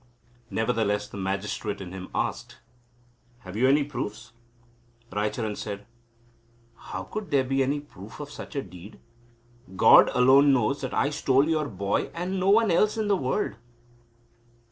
Nevertheless the magistrate in him asked: "Have you any proofs?" Raicharan said: "How could there be any proof of such a deed? God alone knows that I stole your boy, and no one else in the world."